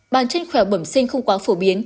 bàn chân khéo bẩm sinh không quá phổ biến